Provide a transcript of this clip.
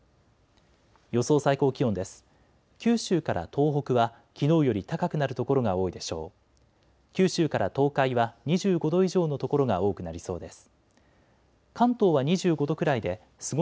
予想最高気温です。